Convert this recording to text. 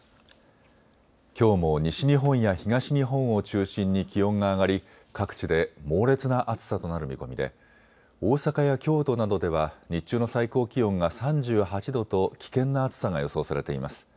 きょうも西日本や東日本を中心に気温が上がり各地で猛烈な暑さとなる見込みで大阪や京都などでは日中の最高気温が３８度と危険な暑さが予想されています。